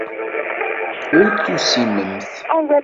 Ur tusimemt.